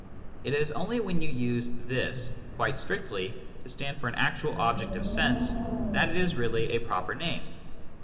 It is only when you use "this" quite strictly, to stand for an actual object of sense, that it is really a proper name.